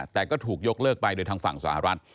แต่ก็ถูกยกเลิกไปโดยทางฝั่งสหรัฐ